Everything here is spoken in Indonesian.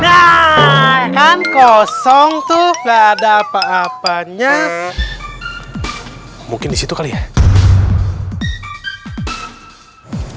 nggak the hand kosong tuh ada apa apanya guar mungkin disitu beliau